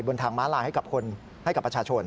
บนทางม้าลายให้กับคนให้กับประชาชน